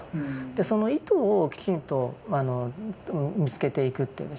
その意図をきちんと見つけていくっていうんでしょうかね